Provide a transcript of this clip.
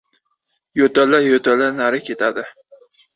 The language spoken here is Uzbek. Yo‘tala-yo‘tala nari ketadi.